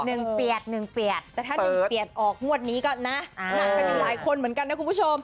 หนึ่งเปียดแต่ถ้าหนึ่งเปียดออกงวดนี้ก็นะน่าจะมีหลายคนเหมือนกันนะคุณผู้ชม